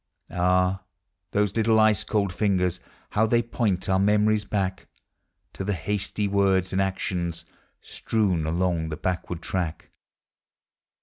Ah! those little ice cold fingers, liow they point our memories back To the hasty words and actions Strewn along the backward track!